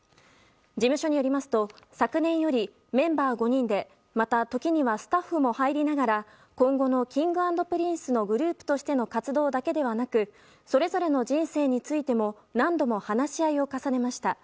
事務所によると、昨年よりメンバー５人でまた時にはスタッフも入りながら今後のＫｉｎｇ＆Ｐｒｉｎｃｅのグループとしての活動だけではなくそれぞれの人生についても何度も話し合いを重ねました。